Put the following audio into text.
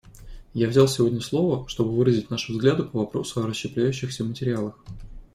Я взял сегодня слово, чтобы выразить наши взгляды по вопросу о расщепляющихся материалах.